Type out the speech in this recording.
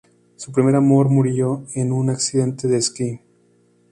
Su primer amor murió en un accidente de esquí.